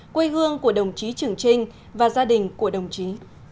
quê hương của đồng chí trường trinh và gia đình của đồng chí